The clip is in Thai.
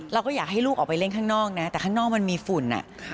เราก็อยากให้ลูกออกไปเล่นข้างนอกนะแต่ข้างนอกมันมีฝุ่น